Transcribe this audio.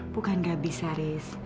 bukan gak bisa riz